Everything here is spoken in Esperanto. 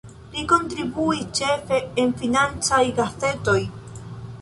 Li kontribuis ĉefe en financaj gazetoj.